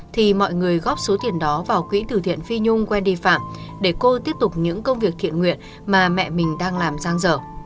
thì mọi người góp số tiền đó vào quỹ từ thiện phi nhung quen đi phạm để cô tiếp tục những công việc thiện nguyện mà mẹ mình đang làm giang dở